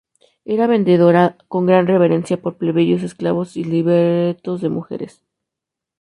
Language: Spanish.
Era venerada con gran reverencia por plebeyos, esclavos y libertos y mujeres.